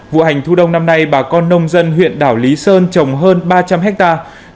vụ hành thu đông năm nay bà con nông dân huyện đảo lý sơn trồng hơn ba trăm linh hectare